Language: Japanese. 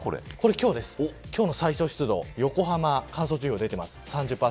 これ、今日の最高湿度横浜、乾燥注意報出ています。